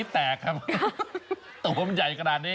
ตัวมันใหญ่ขนาดนี้